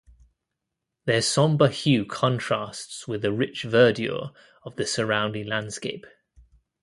Their somber hue contrasts with the rich verdure of the surrounding landscape.